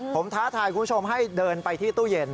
ผมท้าทายคุณผู้ชมให้เดินไปที่ตู้เย็น